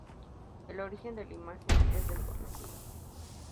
El origen de la imagen es desconocido.